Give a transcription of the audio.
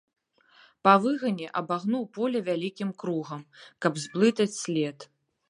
Па выгане абагнуў поле вялікім кругам, каб зблытаць след.